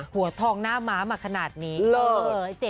หัวทองหน้าม้ามาขนาดนี้